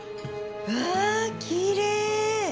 わあきれい！